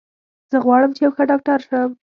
زه غواړم چې یو ښه ډاکټر شم